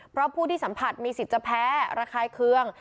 เพราะผู้ที่สัมผัสมีสิทธิ์จะแพ้ระคายเคือง